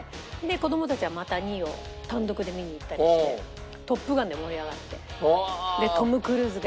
子供たちはまた２を単独で見に行ったりして『トップガン』で盛り上がって。